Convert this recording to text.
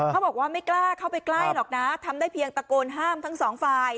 เขาบอกว่าไม่กล้าเข้าไปใกล้หรอกนะทำได้เพียงตะโกนห้ามทั้งสองฝ่าย